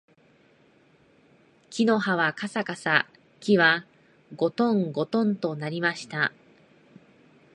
木の葉はかさかさ、木はごとんごとんと鳴りました